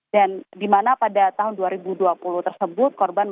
dan di mana pada tahun dua ribu dua puluh tersebut